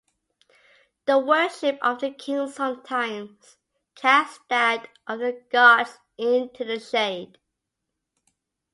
The worship of the kings sometimes cast that of the gods into the shade.